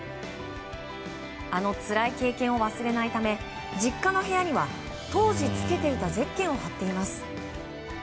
あのつらい経験を忘れないため実家の部屋には当時、着けていたゼッケンを貼っています。